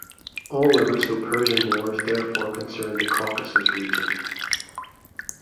All the Russo-Persian Wars therefore concerned the Caucasus region.